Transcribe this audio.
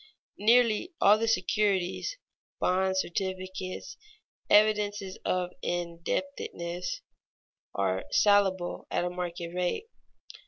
Nearly all the securities (bonds, certificates, evidences of indebtedness) are salable at a market rate.